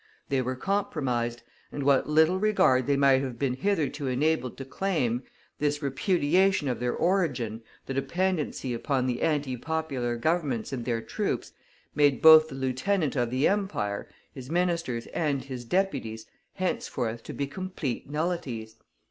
They were compromised, and what little regard they might have been hitherto enabled to claim, this repudiation of their origin, the dependency upon the anti popular Governments and their troops, made both the Lieutenant of the Empire, his ministers and his deputies, henceforth to be complete nullities.